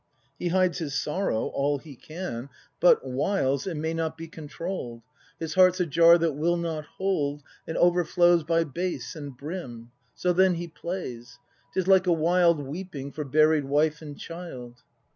He hides his sorrow all he can; f 220 BRAND [act v But, whiles, it may not be controll'd; His heart's a jar that will not hold, And overflows by base and brim; — So then he plays. 'Tis like a wild Weeping for buried wife and child.